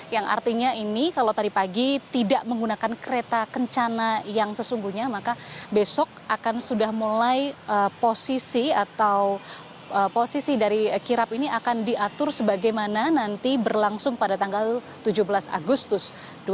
yang artinya ini kalau tadi pagi tidak menggunakan kereta kencana yang sesungguhnya maka besok akan sudah mulai posisi atau posisi dari kirap ini akan diatur sebagaimana nanti berlangsung pada tanggal tujuh belas agustus dua ribu dua puluh